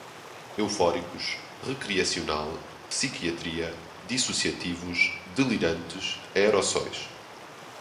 eufóricos, recreacional, psiquiatria, dissociativos, delirantes, aerossóis